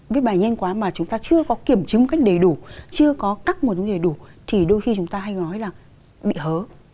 viết bài nhanh quá mà chúng ta chưa có kiểm chứng một cách đầy đủ chưa có các nguồn chứng đầy đủ thì đôi khi chúng ta hay nói là bị hớ